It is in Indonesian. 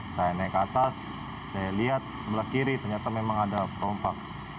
saya naik ke atas saya lihat sebelah kiri ternyata memang ada perompak